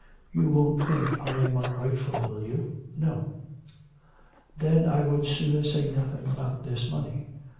You won't think that I am ungrateful, will you?' 'No.' 'Then I would sooner say nothing about this money....